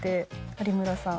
有村さん。